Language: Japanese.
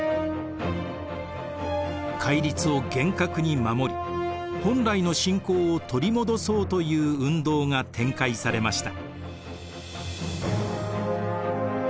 戒律を厳格に守り本来の信仰を取り戻そうという運動が展開されました。